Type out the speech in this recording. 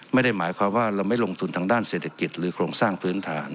ไม่ได้หมายความว่าเราไม่ลงทุนทางด้านเศรษฐกิจหรือโครงสร้างพื้นฐาน